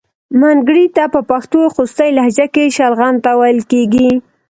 منګړیته په پښتو خوستی لهجه کې شلغم ته ویل کیږي.